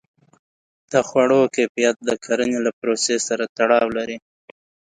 د خوړو کیفیت د کرنې له پروسې سره تړاو لري.